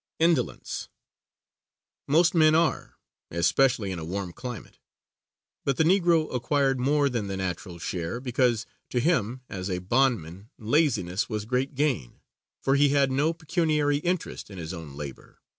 Indolence. Most men are, especially in a warm climate: but the Negro acquired more than the natural share, because to him as a bondman laziness was great gain, for he had no pecuniary interest in his own labor.